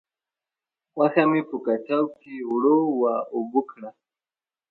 غوښه مې په کټو کې اوړه و اوبه کړه.